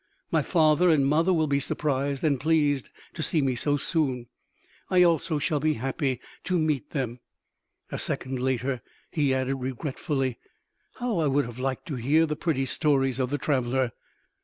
My father and mother will be surprised and pleased to see me so soon.... I also shall be happy to meet them." A second later he added regretfully: "How I would have liked to hear the pretty stories of the traveler!"